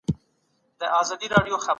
نړيوالو موسساتو د حکومتونو څارنه کوله.